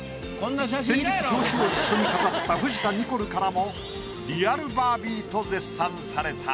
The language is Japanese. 先日表紙を一緒に飾った藤田ニコルからも「リアルバービー」と絶賛された。